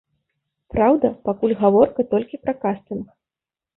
Праўда, пакуль гаворка толькі пра кастынг.